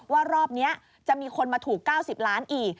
ว่ารอบนี้จะมีคนมาถูก๙๐ล้านอีก